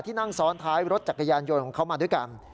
นั่งซ้อนท้ายรถจักรยานยนต์ของเขามาด้วยกัน